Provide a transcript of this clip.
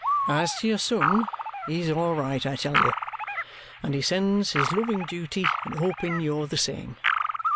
As to your son, he's all right, I tell you; and he sends his loving duty, and hoping you're the same.